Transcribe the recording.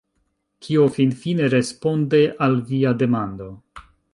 Kio finfine responde al via demando?